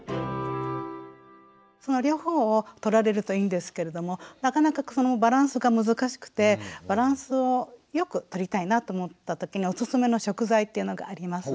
その両方をとられるといいんですけれどもなかなかそのバランスが難しくてバランスをよくとりたいなと思った時のおすすめの食材っていうのがあります。